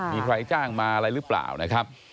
มีใครจ้างมาอะไรหรือเปล่านะครับ